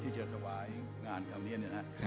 ที่จะถวายงานคราวนี้เนี่ยนะ